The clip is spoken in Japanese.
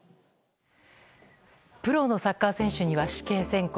プロのサッカー選手には死刑宣告。